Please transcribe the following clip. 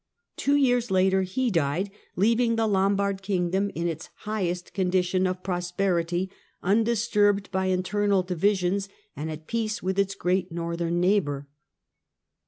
Two years later tie died, leaving the Lombard kingdom in its highest ondition of prosperity, undisturbed by internal divisions >nd at peace with its great northern neighbour.